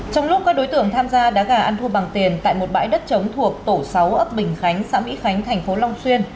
trong lúc các đối tượng tham gia đá gà ăn thua bằng tiền tại một bãi đất trống thuộc tổ sáu ấp bình khánh xã mỹ khánh thành phố long xuyên